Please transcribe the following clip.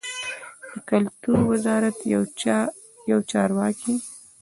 د کلتور وزارت یو چارواکي